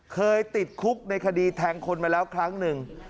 เคยติดคุกในคดีแทงคนมาแล้วครั้งหนึ่ง